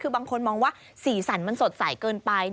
คือบางคนมองว่าสีสันมันสดใสเกินไป